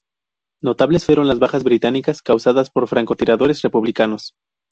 Notables fueron las bajas británicas causadas por francotiradores republicanos.